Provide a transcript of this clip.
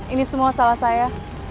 ini semua salah saya